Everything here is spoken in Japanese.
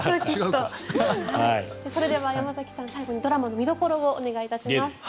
それでは山崎さん最後にドラマの見どころをお願いします。